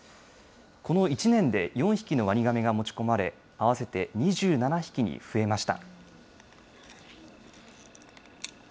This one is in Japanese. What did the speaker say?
この１年で４匹のワニガメが持ち込まれ、合わせて２７匹に増えました。